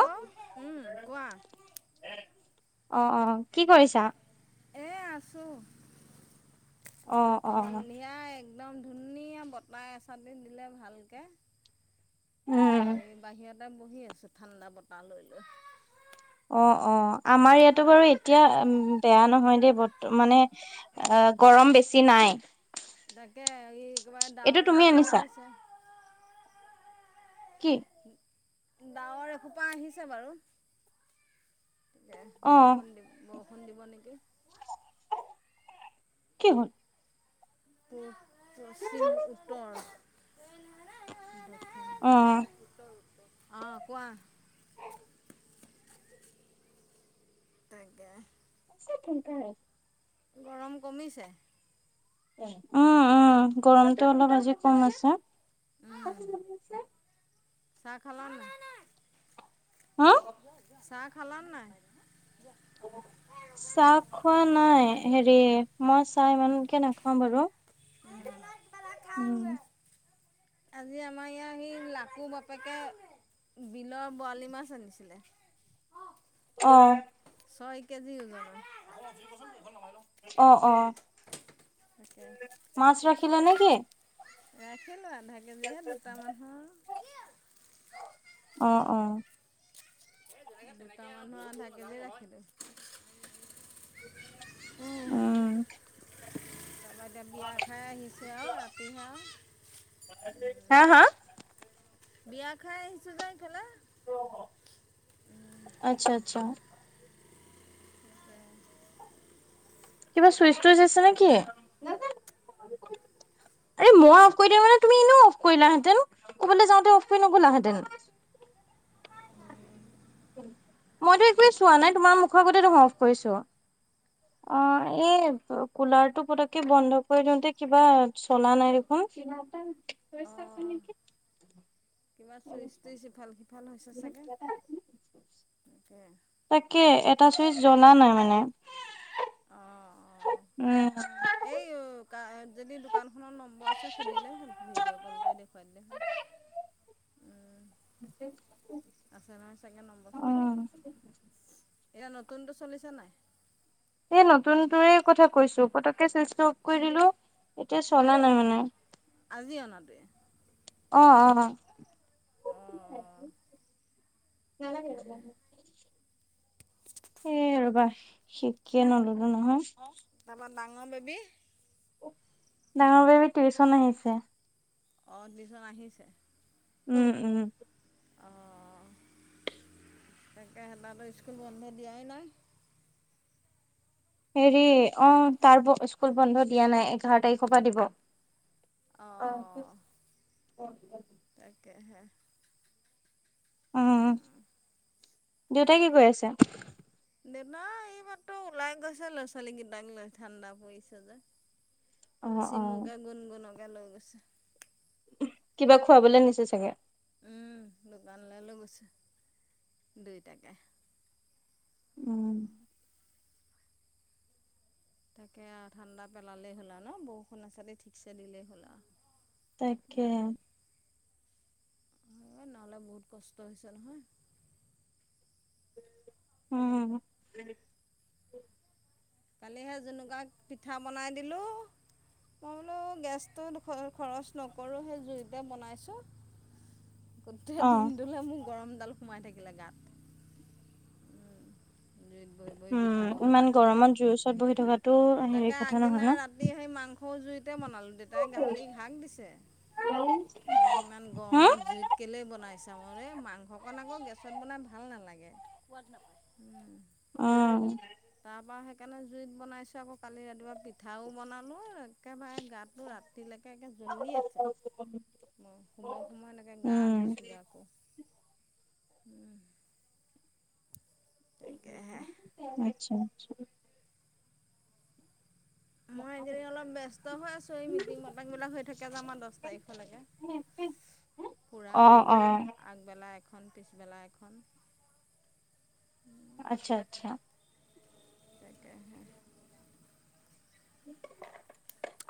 আহ উম কোৱা আহ কি কৰিছা? এ আছো, অ অ সন্ধিয়াই একদম ধুনীয়া বতাহ এচাটিত দিলে ভালকৈ উম তাকে আৰু বাহিৰতে বহি আছো, ঠাণ্ডা বতাহ লৈ লৈ অ', অ', আমাৰ ইয়াতো বাৰু এতিয়া উ বেয়া নহয় দেই বৰ্ত মানে গৰম বেছি নাই তাকে এই একবাৰে এইটো ডাৱৰ তুমি এসোপা আনিছা আহিছে কি? ডাৱৰ এসোপা আহিছে বাৰুে অ বৰষুণ দি বৰষু ফোন দিব নেকি কি হল? প পশ্চিম নাজানো উত্তৰ অ', অ', কোৱা তাকাকে, [unintelligible] গৰম কমিছে উম, উম, গৰমটো অলপ আজি কম আছে উম এ দিছে চাহ খাল নাই হা চাহ খালান নাই? অ', চাহ খোৱা নাই, হেৰি মই চাহ ইমানকে নাখাওঁ বাৰু উম উম, খাওঁগে আজি আমাৰ ইয়াৰ সেই লাকু বাপেকে বিলৰ বৰালি মাছ আনিছিলে অ', ছয় কেজি ওজন অ', অ', তাকে মাছ ৰাখিলে নেকি? ৰাখিলো আধা কেজিহে দুটামানহৰ অ', দুটামান থাকিলে ৰাখিলো উম। তাৰপা এতি বিয়া খাই আহিছে আৰু ৰাতি আৰু হা হা বিয়া খাই আহিছো যাই ক'লা আচ্ছা, আচ্ছা, কিবা চুইচ টুইচ আছে নেকি? আৰে মই অফ কৰি দিম মানে, তুমি এনেও অফ কৰিলাাহেতেন, ক'ৰবাললৈ যাওঁতে অফ কৰি নগ'লাহেঁতেন মইতো একোৱে চোৱা নাই, তোমাৰ মুখৰ আগতেতো মফ কৰিছো অ', ই কুলাৰ টো পতককে বন্ধ কৰি দিওঁতে কিবা চলা নাই দেখোন কি নটা চা আছে অঁ নেকি? কিবা চুইচ টুইচ ইফাল সিফাল হৈছে চাগে তাকে তাকেই, এটা চুইচ জ্বলা নাই মানে। অঁ অঁ উম এই যদি দোকানখনৰ নম্বৰ আছে সুধিলে হ'ল, ভিডিঅ' কল কৰি দেখুৱাই দিলে হ'ল। [inaudible] আছে নহয় [unintelligible] চাগে অ'। এইয়া নতুনটো চলিছে নে নাই? এই নতুনটোৰেই কথা কৈছোঁ, পতককে চুইছটো অফ কৰি দিলো এতিয়া চলা নাই মানে। আজি অনাটোৱেই? অ', অ'। অঁ [unintelligible] নালাগে, তাকেহে হ'ব। এই ৰ'বা, শিকি নল'লো নহয়। তাৰপৰা ডাঙৰ বেবী ডাঙৰ বেৱীৰ টিউচন আহিছে। অ', টিউচন আহিছে। উম উম। তাকেহে, তাহাতৰ স্কুল বন্ধ দিয়াই নাই। হেৰি অ', তাৰ স্কুল বন্ধ দিয়া নাই, এঘাৰ তাৰিখৰ পৰা দিব। অ', অঁ অ'। [unintelligible] কেহে। উম, দেউতাই কি কৰি আছে? দেউতাই এইমাত্ৰ ওলাই গৈছে ল'ৰা ছোৱালীকেইটাক লৈ, ঠাণ্ডা পৰিছে যে। অ অ চিমুকে গুনগুনকে লৈ গৈছে। কিবা খুৱাবলৈ নিছে চাগে। উম, দোকানলৈ লৈ গৈছে, দুইটাকেই। উম। তাকে আৰু, ঠাণ্ডা পেলালেই হ'ল আৰু ন, বৰষুণ এচাটি ঠিকচে দিলেই হ'ল আও। তাকেহে। নহ'লে বহুত কষ্ট হৈছে নহয়। উম। কালি সেই জুনুকাক পিঠা বনাই দিলো। মই বোলো গেছটো খৰচ নকৰোঁ, সেই জুইতে বনাইছোঁ। [inaudible] গোটেই দিনটোলে মোৰ গৰমডাল সোমাই থাকিলে গাত। জুইত বহি বহি পিঠা উম, বনোৱা ইমান গৰমত জুই ওচৰত বহি থকা তাকে আগদিনা ৰাতি সেই মাংসও জুইত তেই বনালোঁ, দেউতাই গালি হাক দিছে তুমি ইমান হম গৰমত জুইত কেলেই বনাইছ মাংসকণ আকৌ গেছত বনাই ভাল নালাগে। সোৱাদ নাপাই। উম। অ'। তাৰপা সেইকাৰণে জুইত বনাইছোঁ আকৌ, কালি ৰাতিপুৱা পিঠাও বনালোঁ, একেবাৰে গাতো ৰাতি তিলেকে একে জ্বলি আছে। উম, শুব সময়ত এনেকে গা উম ধুইছোঁগৈ আকৌ। উম। আচ্ছা আচ্ছা। মই এইকেইদিন অলপ ব্যস্ত হৈ আছোঁ, এই মিটিং মাতাং বিলাক হৈ থাকে যে আমাৰ দহ তাৰিখলৈকে। সি পুৰা আগবেলা এখন পিছবেলা এখন আচ্ছা আচ্ছা। তাকেহে।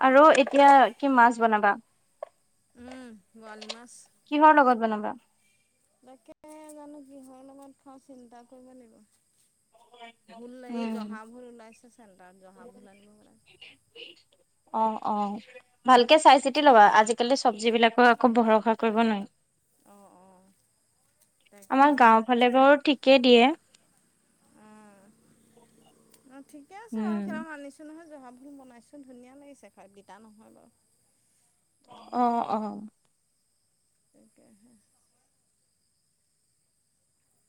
আৰু এতিয়া কি মাছ বনাবা? উম, বৱালি মাছ। কিহৰ [unintelligible] তাকে জানো কিহৰ লগত খাওঁ চিন্তা কৰিব লাগিব। ভুল উম জহা ভুল ওলাইছে চেণ্টাৰত জহা ভুল আনিব হ'লে অ', অ' ভালকে চাই চিতি লবা, আজিকালি চবজিবিলাকো আকৌ ভৰষা কৰিব লাগে অঁ অঁ নোৱাৰি। আমাৰ তাকেহে গাওঁ ফালে বাৰু ঠিকেই দিয়ে। অঁ ঠিকে আছে বাৰু উম সিদিনাখন আনিছোঁ নহয় জহা বনাইছোন ধুনীয়া লাগিছে খাই, বিটা নহয় বাৰু। অ', অ'। তাকেহে।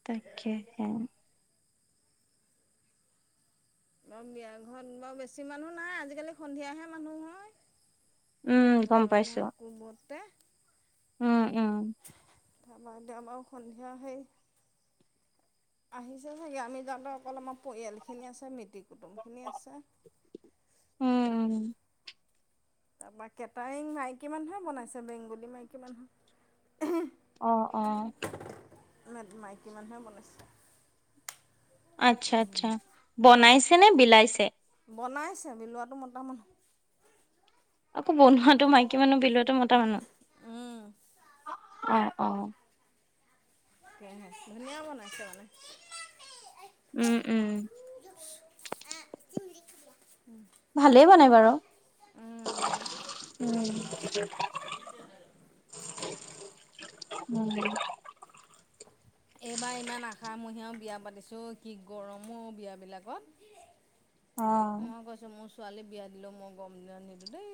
তাকেহে। বাৰু বিয়া ঘৰত বাৰু বেছি মানুহ নাই, আজিকালি সন্ধিয়াহে মানুহ হয়। উম গম পাইছো গৰমৰ কোবতে উম, উম। তাৰ মাৰ দে আমাৰো সন্ধিয়াহেই। আহিছে ছাগে, আমি যাওঁতে অকল আমাৰ পৰিয়ালখিনি আছে মিটিক কুটুমখিনি আছে। উম উম তাৰপা কেটাৰিং মাইকী মানুহে বনাইছে, বেংগলী মাইকী মানুহে। অ', অ'। মাইকী মানুহে বনাইছে। আচ্ছা আচ্ছা। বনাইছে নে বিলাইছে? বনাইছে, বিলোৱাটো মতা মানুহ। আকৌ বনোৱাতটো মাইকী মানুহ, বিলোৱাটো মতা মানুহ? উম অ', অ'। তাকেহে। ধুনীয়া বনাইছে মানে। উম, উম। উম। ভালেই বনাই বাৰু। উম। উম। এইবাৰ ইমান আশা মহীয়াও বিয়া পাতিছোঁ, কি গৰমো বিয়াবিলাকত। অ'। মই কৈছোঁ মোৰ ছোৱালী বিয়া দিলেও মই গম নে নিদিওঁ দেই।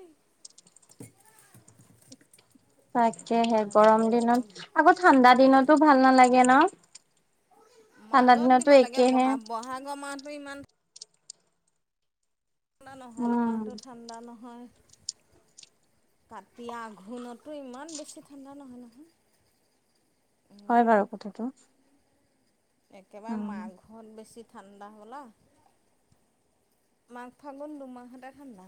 তাকেহে ইমান গৰম গৰমত দিনত, আকৌ ঠাণ্ডা দিনতো ভাল নালাগে ন'? ঠাণ্ডা মাজত দিনতো দিব লাগে, একেহে বহা-বহাগৰ মাহটো ইমান ঠাণ্ডা নহয়, উম নহয়টো ঠাণ্ডা নহয়। [inaudible] তাতিয়া আঘোণতো ইমান বেছি ঠাণ্ডা নহয় নহয়। হয় উম, বাৰু কথাটো। একেবাৰে উম মাঘত বেছি ঠাণ্ডা হ'বলা। মাঘ ফাগুন দুমাহতে ঠাণ্ডা।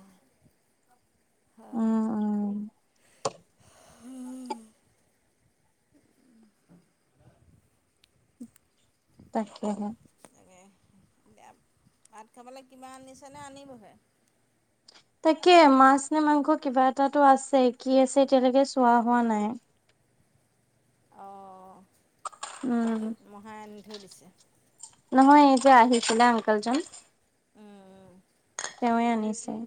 হয়। উম উম তাকেহে। তাকে, ভাত খাবলৈ কিবা আনিছে নে আনিবহে? তাকে মাছ নে মাংস কিবা এটাটো আছে, কি আছে এতিয়ালৈকে চোৱা হোৱা নাই। অ'। উম। ধৈ দিছে নহয় এই যে আহিছিলে আংকেল জন তেওঁৱে আনিছে।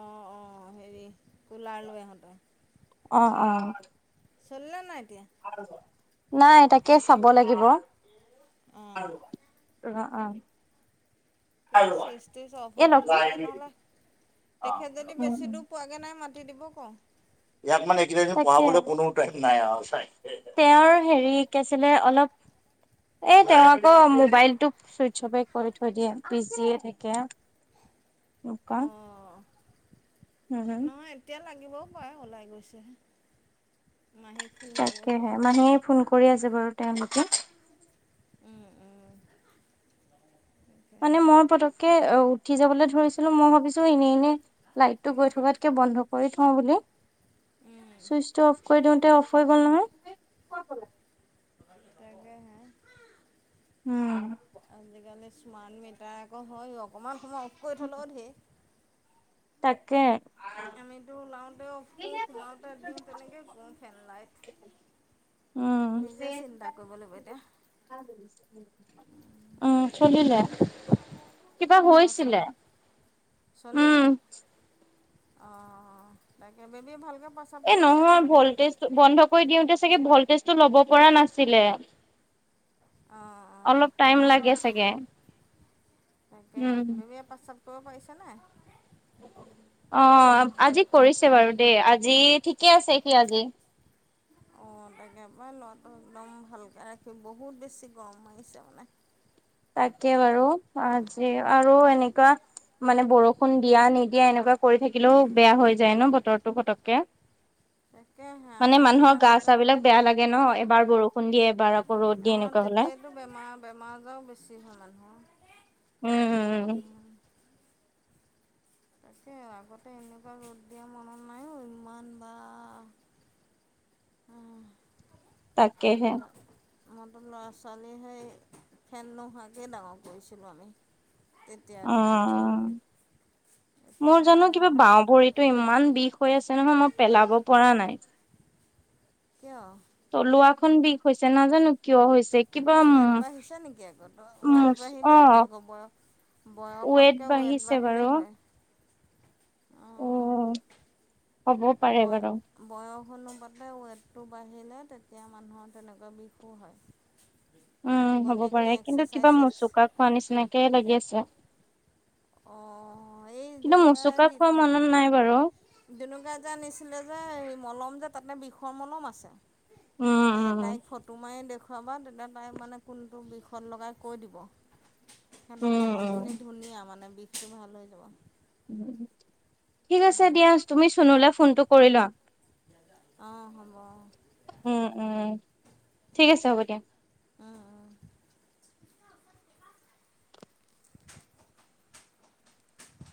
অ', হেৰি কুলাৰ লৈ আহোতে। অ', অ। [unintelligible] নাইটি নাই তাকে চাব লাগিব। অ। অঁ। কিবা চুইচ ত্বিছ অফ এ হৈ থাকিব লক্ষী পাৰে, নহলে তেখেত যদি উম বেছি উম দূৰ পোৱাগে নাই, মা মাটি দিব পাৰা। তাকে, [unintelligible] হেৰি কি আছিলে এ, তেওঁ আকৌ মোবাইলটো চুইচ অফে কৰি থৈ দিয়ে বিজিয়ে থাকে। অনোকা। অঁ নহয়, এতিয়া লাগিবও পাৰে ওলাই গৈছেহে। মাহীক ফোন কৰিব কোৱা। তাকেহে, মানুহে ফোন কৰি আছে বাৰু তেওঁলোকে। উম উম। মানে তাকেহে মোৰ পতককে ও। উঠি যাবলৈ ধৰিছিলো মই ভাবিছো এনেই এনেই লাইটটো গৈ থকাতকে, বন্ধ কৰি থওঁ বুলি। উম চুইচটো অফ কৰি দিওঁতে, অফ হৈ গ'ল নহয়। তাকে হে। উম। আজিকালি স্মাৰ্ট মিটাৰ আকৌ হয় অকণমান সময় অফ কৰি থ'লেও ধেৰ। তাকে। আমিতো ওলাওঁতে অফ কৰোঁ সোমাওঁতে দিওঁ তেনেকেই কৰোঁ ফেনলাইট। উম নিজে চিন্তা কৰিব লাগিব এতিয়া। উম, চলিলে। কিবা অঁ চল হৈছিলে, উম। অ, ' তাকে বেবি ভালকে এ, নহয় ভল্টেজ, বন্ধ কৰি দিওঁতে। চাগে ভল্টেজ টো ল'ব পৰা নাছিলে। অঁ অঁ অলপ টাইম লাগে চাগে। তাকে উম বেবি, পাশ্চাত কৰিব পাৰিছে নাই। অ। অ', আজি কৰিছে বাৰু দেই আজি ঠিকে আছে সি আজি। অঁ তাকে ল'ৰাটো একদম ভালকৈ ৰাখি বহুত বেছি গৰম মাৰিছে মানে। তাকে বাৰু, আজি আৰু এনেকুৱা মানে বৰষুণ দিয়া নিদিয়া এনেকুৱা কৰি থাকিলেও বেয়া হৈ যায়, ন বতৰটো পটককে। তাকেহে [inaudible] মানে আমাৰ মানুহৰ গা দিনত চা, বিলাক বেয়া লাগে ন, এবাৰ বৰষুণ দিয়ে এবাৰ আকৌ ৰ'দ দিয়ে এনেকুৱা হলে। তোমাৰ বেমাৰ আজাৰ বেছি হয়, মানুহ উম, উম। তাকে আগতে এনেকুৱা ৰ'দ দিয়া মনত নাইো ইমান বা। [inaudible] তাকেহে। তাত মইতো ল'ৰা ছোৱালীহেই ফেন নোহোৱাকৈ ডাঙৰ কৰিছিলোঁ আমি। তেতিয়াৰ দিনত উম। এতিয়া মোৰ জানো আৰু কিবা বাওঁ ভৰিতটো ইমান বিষ হৈ আছে নহয়, মই পেলাব পৰা নাই। কিয়? তলুৱা খন বিষ হৈছে নাজানো কিয় হৈছে? কিবা ৱেট বাঢ়িছো নেকি আকৌ, উ ৱেট বাঢ়িলেও অ হয় আক বয় বয়সতকৈ ৱেট বাঢ়িছে বাৰু বাঢ়িলে হয়। অঁ হ'বও পাৰে বাৰু। সদায় ৱেটটো বাঢ়িলে তেতিয়া মানুহৰ তেনেকুৱা বিষো হয়। উম, অকণ হ'ব এইখিনি পাৰে কিন্তু এক্সাৰচাইজ কিবা মোচুকা খোৱা নিচিনাকে লাগি আছে। [inaudible] অঁ এই কিন্তু জুনুকা মুচুকা দি, খোৱা মনত নাই বাৰু জুনুকা যে আনিছিলা যে। মলম যে তাতে বিষৰ মলম আছে, উম তাই উম ফটো মাৰি দেখো দোখোৱাবা তেতিয়া তাই মানে কোনটো বিষদ লগাই কৈ দিব। একদম উম মলমখিনি উম ধুনীয়া মানে, বিষটো ভাল হৈ যাব। উম, ঠিক আছে দিয়া, তুমি চনুলে ফোনটো কৰি লোৱা। অহ, হ'ব। উম', উম' ঠিক আছে হ'ব দিয়া। উম', উম' [unintelligible]